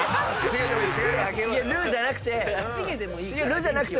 「る」じゃなくて。